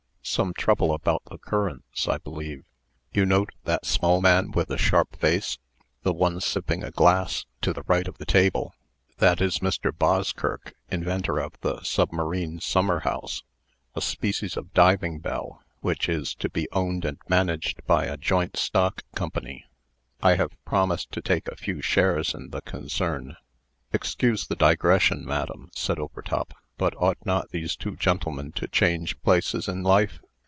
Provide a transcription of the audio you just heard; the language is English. Some trouble about the currents, I believe. You note that small man, with the sharp face the one sipping a glass, to the right of the table? That is Mr. Boskirk, inventor of the 'Submarine Summer House,' a species of diving bell, which is to be owned and managed by a Joint Stock Company. I have promised to take a few shares in the concern." "Excuse the digression, madam," said Overtop, "but ought not these two gentlemen to change places in life?